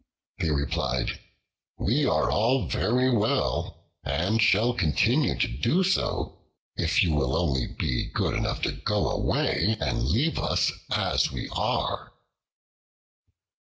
They replied, "We are all very well, and shall continue so, if you will only be good enough to go away, and leave us as we are."